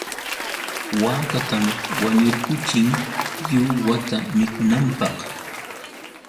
Waakatam wañurquchin lliw wata mikunanpaq.